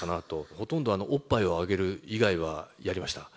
ほとんど、おっぱいをあげる以外はやりました。